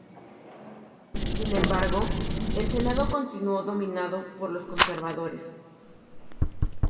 Sin embargo, el Senado continuó dominado por los conservadores.